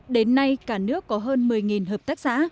đến nay cả nước có hơn một mươi hợp tác xã